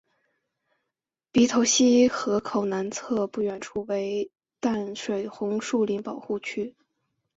鼻头溪河口南侧不远处为淡水红树林保护区。